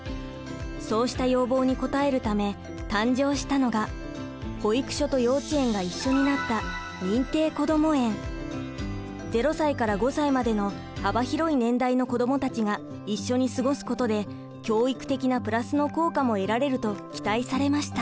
そうした要望に応えるため誕生したのが保育所と幼稚園が一緒になった０歳から５歳までの幅広い年代の子どもたちが一緒に過ごすことで教育的なプラスの効果も得られると期待されました。